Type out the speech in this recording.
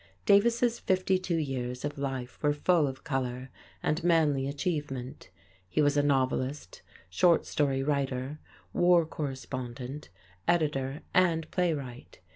Davis' fifty two years of life were full of color and manly achievement. He was a novelist, short story writer, war correspondent, editor and playwright.